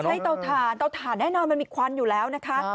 เตาถ่านเตาถ่านแน่นอนมันมีควันอยู่แล้วนะคะ